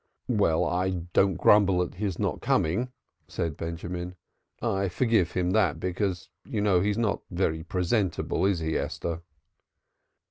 "Well, I don't grumble at his not coming," said Benjamin. "I forgive him that because you know he's not very presentable, is he, Esther?"